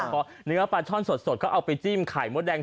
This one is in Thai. พอเนื้อปลาช่อนสดก็เอาไปจิ้มไข่มดแดง